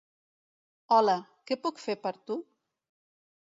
Hola, què puc fer per tu?